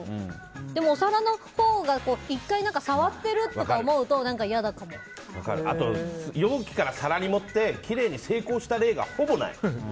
でも、お皿のほうが１回触っているとかと思うとあと容器から皿に盛ってきれいに成功した例がほぼない。